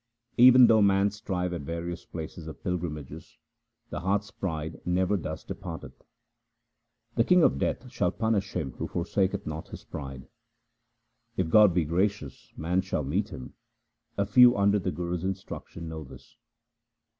Even though man strive at various places of pilgrimages, the heart's pride never thus departeth. The king of death shall punish him who forsaketh not his pride. If God be gracious, man shall meet Him ; a few under the Guru's instruction know this.